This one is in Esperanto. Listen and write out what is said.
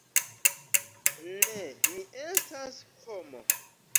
Ne, mi estas homo.